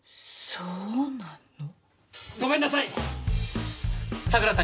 そうなの？